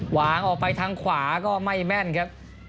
วางออกไปทางขวาก็ไม่แม่นครับ